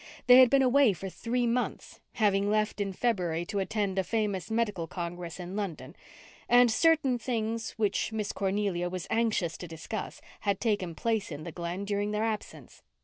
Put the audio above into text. They had been away for three months, having left in February to attend a famous medical congress in London; and certain things, which Miss Cornelia was anxious to discuss, had taken place in the Glen during their absence.